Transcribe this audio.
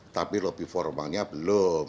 tapi lobby formalnya belum